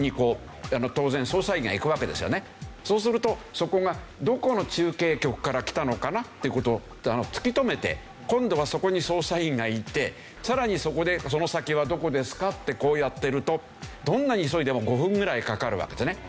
まずそうするとそこがどこの中継局からきたのかな？っていう事を突きとめて今度はそこに捜査員が行ってさらにそこでその先はどこですか？ってこうやっているとどんなに急いでも５分ぐらいかるわけですよね。